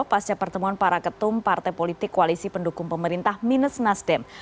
pasca pertemuan para ketum partai politik koalisi pendukung pemerintah minus nasdem